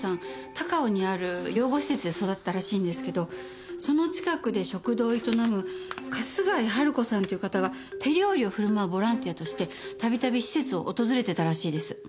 高尾にある養護施設で育ったらしいんですけどその近くで食堂を営む春日井春子さんっていう方が手料理を振る舞うボランティアとしてたびたび施設を訪れてたらしいです。